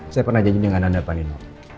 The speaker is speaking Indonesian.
saya pernah janji dengan anda pak nino